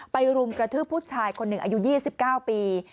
รุมกระทืบผู้ชายคนหนึ่งอายุ๒๙ปี